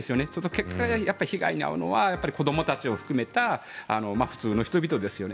結果、やっぱり被害に遭うのは子どもたちを含めた普通の人々ですよね。